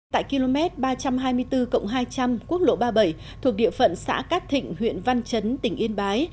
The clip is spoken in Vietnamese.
tại km ba trăm hai mươi bốn hai trăm linh quốc lộ ba mươi bảy thuộc địa phận xã cát thịnh huyện văn chấn tỉnh yên bái